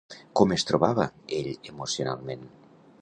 Com es trobava ell emocionalment?